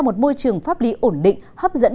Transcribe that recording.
một môi trường pháp lý ổn định hấp dẫn